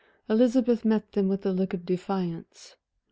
Elizabeth met them with a look of defiance.